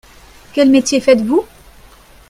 Quel métier faites-vous ?